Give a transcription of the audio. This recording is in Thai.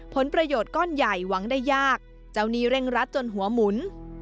ผลประโยชน์ก้อนใหญ่หวังได้ยากเจ้าหนี้เร่งรัดจนหัวหมุน